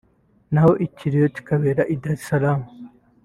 naho ikiliyo kikabera i Dar es Salaam